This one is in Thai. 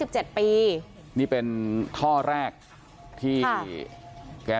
ใช่ค่ะ